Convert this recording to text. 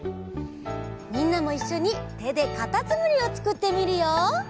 みんなもいっしょにてでかたつむりをつくってみるよ。